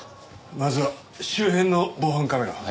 まずは周辺の防犯カメラを。